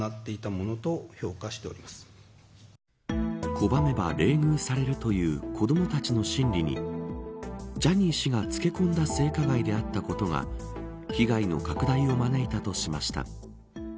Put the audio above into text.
拒めば冷遇されるという子どもたちの心理にジャニー氏がつけ込んだ性加害であったことが被害の拡大を招いたとしました。